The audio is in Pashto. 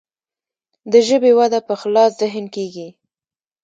د ژبې وده په خلاص ذهن کیږي.